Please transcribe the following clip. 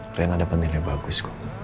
karena ada pentingnya bagus